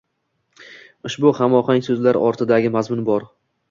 Ushbu hamohang so‘zlar ortidagi mazmun bor.